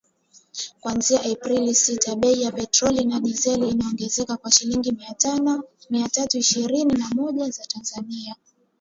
Kuanzia Aprili sita , bei ya petroli na dizeli iliongezeka kwa shilingi mia tatu ishirini na moja za Tanzania